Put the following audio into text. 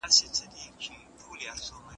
د کتاب نه لوستل انسان له حقايقو لرې ساتي.